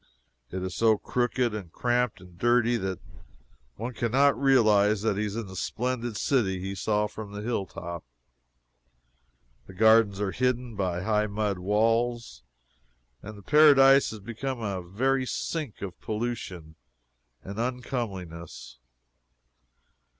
It is so crooked and cramped and dirty that one can not realize that he is in the splendid city he saw from the hill top. The gardens are hidden by high mud walls, and the paradise is become a very sink of pollution and uncomeliness.